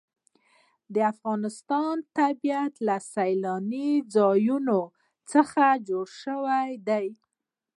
د افغانستان طبیعت له سیلاني ځایونو څخه جوړ شوی دی.